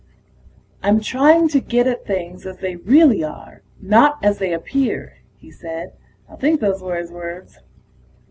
"I'm trying to get at things as they really are, not as they appear," he said. I think those were his words.